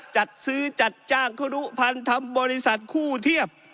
จัดซื้อจัดจ้างครุพันธ์ทำบริษัทคู่เทียบ